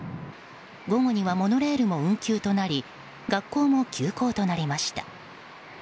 午後にはモノレールも運休となり学校も休校となりました。